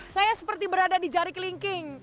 saya seperti berada di jari kelingking